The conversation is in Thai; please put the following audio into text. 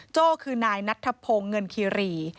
โจ้คือนายนัทธพงศ์เงินคีรี